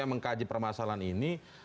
yang mengkaji permasalahan ini